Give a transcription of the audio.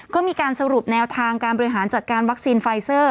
ก็มีการสรุปแนวทางการบริหารจัดการวัคซีนไฟเซอร์